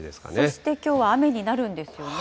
そしてきょうは雨になるんですよね。